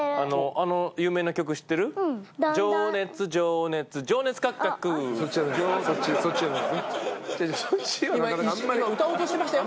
あの有名な曲知ってる？歌おうとしてましたよ。